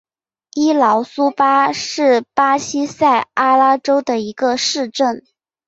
伊劳苏巴是巴西塞阿拉州的一个市镇。